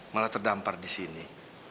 malah terdampar di sini